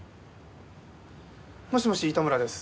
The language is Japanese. もしもし糸村です。